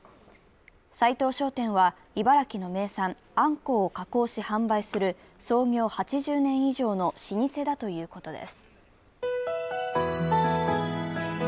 斉藤商店は、茨城の名産あんこうを加工し販売する創業８０年以上の老舗だということです。